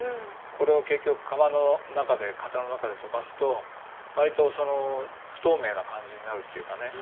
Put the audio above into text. これを結局窯の中で型の中で溶かすと割と不透明な感じになるっていうかね。